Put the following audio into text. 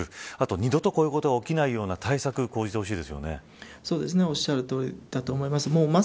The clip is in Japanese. あと二度とこういうことが起きないような対策をおっしゃるとおりだと思います。